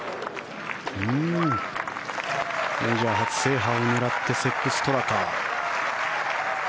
メジャー初制覇を狙ってセップ・ストラカ。